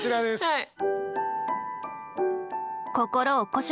はい。